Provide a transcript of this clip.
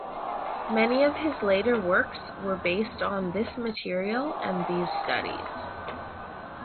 Many of his later works were based on this material and these studies.